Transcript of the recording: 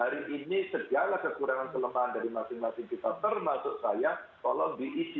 hari ini segala kekurangan kelemahan dari masing masing kita termasuk saya tolong diisi